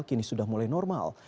kini sudah mulai normal